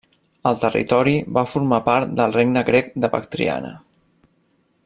El territori va formar part del regne Grec de Bactriana.